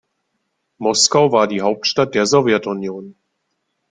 Moskau war die Hauptstadt der Sowjetunion.